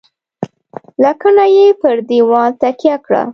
. لکڼه یې پر دېوال تکیه کړه .